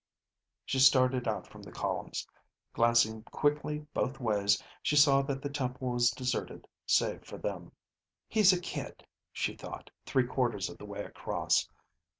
_ She started out from the columns. Glancing quickly both ways, she saw that the temple was deserted save for them. He's a kid, she thought, three quarters of the way across.